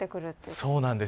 そうなんです。